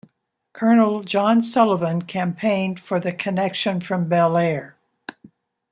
Colonel John Sullivan campaigned for the connection from Bellaire.